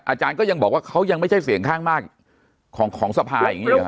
อาจารย์ก็ยังบอกว่าเขายังไม่ใช่เสียงข้างมากของสภาอย่างนี้เหรอ